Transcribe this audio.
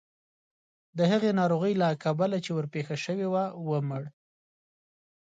د هغې ناروغۍ له کبله چې ورپېښه شوې وه ومړ.